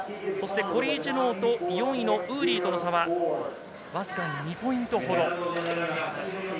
コリー・ジュノーと４位のウーリーとの差は、わずかに２ポイントほど。